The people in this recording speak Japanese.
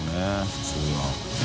普通は。